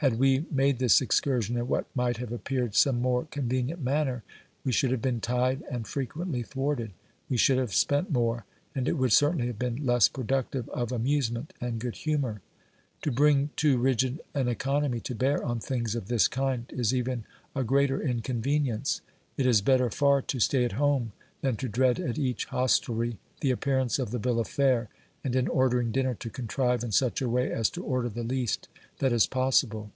Had we made this excursion in what might have appeared some more convenient manner, we should have been tied and frequently thwarted ; we should have spent more, and it would certainly have been less productive of amusement and good humour. To bring too rigid an economy to bear on things of this kind is even a greater inconvenience. It is better far to stay at home than to dread at each hostelry the appearance of the bill of fare, and in ordering dinner to contrive in such a way as to order the least that is possible.